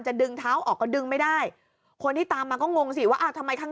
ดึงเท้าออกก็ดึงไม่ได้คนที่ตามมาก็งงสิว่าอ้าวทำไมข้าง